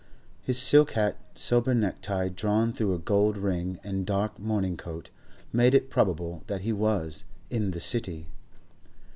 His silk hat, sober necktie drawn through a gold ring, and dark morning coat, made it probable that he was 'in the City.